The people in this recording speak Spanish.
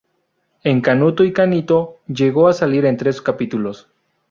En "Canuto y Canito" llegó a salir en tres capítulos.